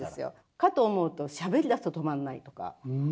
かと思うとしゃべりだすと止まんないとか。